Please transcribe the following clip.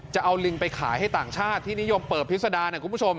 จะเอาลิงไปขายให้ต่างชาติที่นิยมเปิดพิษดานะคุณผู้ชม